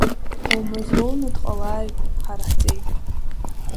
Омазлоуны дҟалааит ҳара ҳҵеи!